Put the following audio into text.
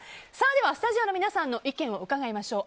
ではスタジオの皆さんの意見を伺いましょう。